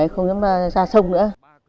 không dám ra sông nữa